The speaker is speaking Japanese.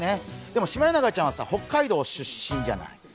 でもシマエナガちゃんは北海道出身じゃない。